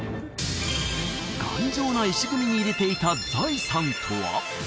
頑丈な石組みに入れていた財産とは？